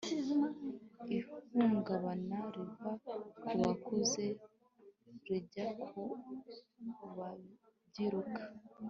ihungabana riva ku bakuze rijya ku babyiruka .